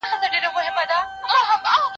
ما پرون د سبا لپاره د نوي لغتونو يادونه وکړه!؟